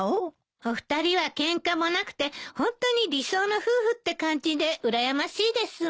お二人はケンカもなくてホントに理想の夫婦って感じでうらやましいですわ。